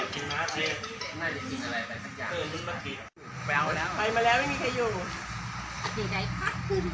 กลมปัญญา